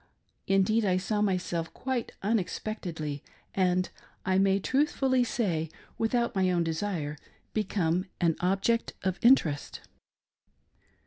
Indeed, I saw myself quite unexpectedly, and, I may truthfully say, without my own desire, become an object of interest.